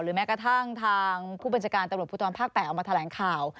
หรือแม้กระทั่งทางผู้บัญชาการตรวจผู้ตรวจภาคแปะออกมาแถลงข่าว